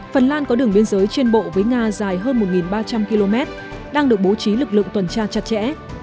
phần lan có đường biên giới trên bộ với nga dài hơn một ba trăm linh km đang được bố trí lực lượng tuần tra chặt chẽ